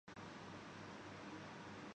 ہمارے ساتھ ایسا نہیں۔